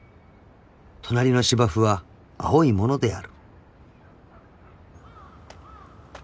［隣の芝生は青いものである］